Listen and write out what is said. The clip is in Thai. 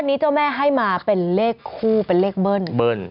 อันนี้เจ้าแม่ให้มาเป็นเลขคู่เป็นเลขเบิ้ลเบิ้ล